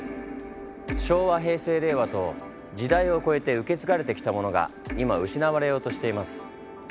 昭和平成令和と時代を超えて受け継がれてきたものが今失われようとしています。